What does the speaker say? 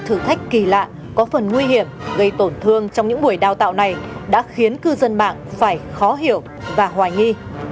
thử thách kỳ lạ có phần nguy hiểm gây tổn thương trong những buổi đào tạo này đã khiến cư dân mạng phải khó hiểu và hoài nghi